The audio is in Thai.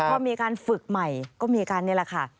พอมีการฝึกใหม่ก็มีการนี่แหละค่ะ